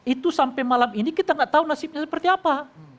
itu sampai malam ini kita tidak tahu nasibnya seperti apa